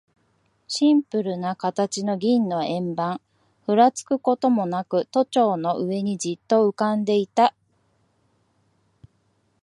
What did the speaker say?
シンプルな形の銀の円盤、ふらつくこともなく、都庁の上にじっと浮んでいた。